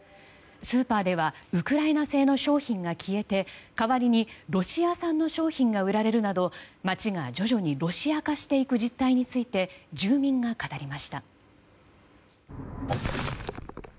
スーパーではウクライナ製の商品が消えて代わりにロシア産の商品が売られるなど街が徐々にロシア化していく実態について住民が語りました。